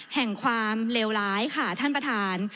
แห่งความเลวร้ายค่ะท่านประธาน